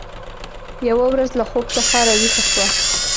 یوه ورځ له خوب څخه راویښه شوه